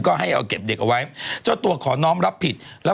ก็ให้เอาเก็บเด็กเอาไว้